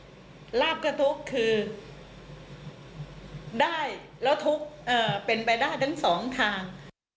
ลาบกระทุกข์คือได้แล้วทุกข์เป็นไปได้ทั้งสองทาง